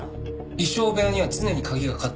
衣装部屋には常に鍵がかかっていた。